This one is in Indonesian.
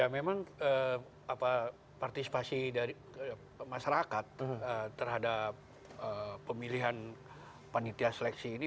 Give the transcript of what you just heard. memang partisipasi masyarakat terhadap pemilihan panitia seleksi ini